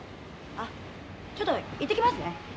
あっちょっと行ってきますね。